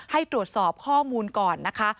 ให้ตรวจสอบข้อมูลก่อนนะคะ